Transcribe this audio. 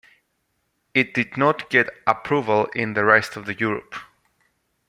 It did not get approval in the rest of Europe.